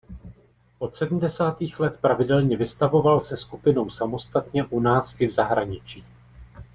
Od sedmdesátých let pravidelně vystavoval se skupinou samostatně u nás i v zahraničí.